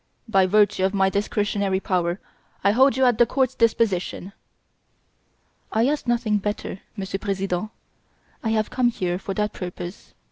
By virtue of my discretionary power, I hold you at the court's disposition." "I ask nothing better, Monsieur President. I have come here for that purpose.